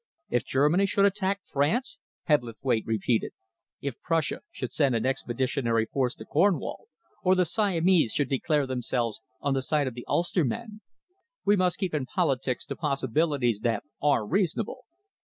"If Germany should attack France!" Hebblethwaite repeated. "If Prussia should send an expeditionary force to Cornwall, or the Siamese should declare themselves on the side of the Ulster men! We must keep in politics to possibilities that are reasonable."